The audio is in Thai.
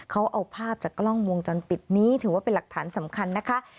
เขาเอาภาพจากกล้องวงจรปิดนี้ถือว่าเป็นหลักฐานสำคัญนะคะ